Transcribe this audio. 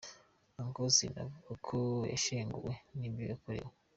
Uncle Austin avuga ko yashenguwe nibyo yakorewe.